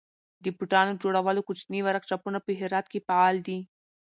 د بوټانو جوړولو کوچني ورکشاپونه په هرات کې فعال دي.